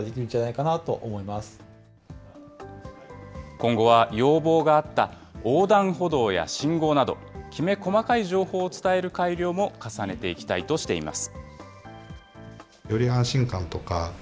今後は要望があった横断歩道や信号など、きめ細かい情報を伝える改良も重ねていきたいとしています。